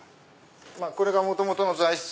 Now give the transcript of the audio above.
これが元々の材質